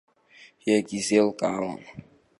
Иагьизеилкаауам!